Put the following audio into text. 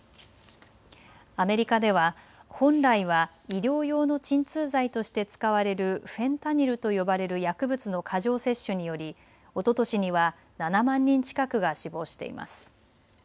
アメリカでは本来は医療用の鎮痛剤として使われるフェンタニルと呼ばれる薬物の過剰摂取によりおととしには７万人近くが死亡しています。